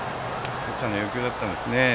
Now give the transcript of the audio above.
キャッチャーの要求だったんですね。